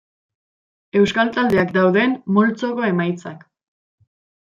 Euskal taldeak dauden multzoko emaitzak.